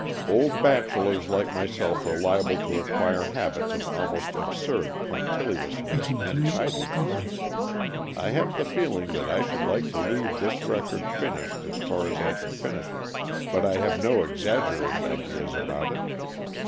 Old bachelors like myself are liable to acquire habits of almost absurd punctiliousness and tidiness. I have the feeling that I should like to leave this record finished as far as I can finish it. AN EXCHANGE OF SOULS 217 But I have no exaggerated ideas about it.